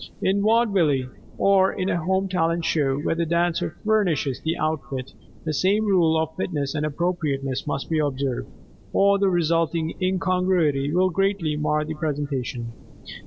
In vaudeville, or in a home talent show, where the dancer furnishes the outfit, the same rule of fitness and appropriateness must be observed, or the resulting incongruity will greatly mar the presentation.